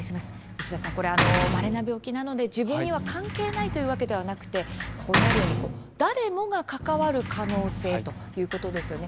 牛田さん、まれな病気なので自分には関係ないというわけではなくて、ここにあるように誰もが関わる可能性ということですよね。